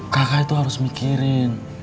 kakak itu harus mikirin